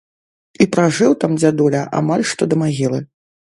І пражыў там дзядуля амаль што да магілы.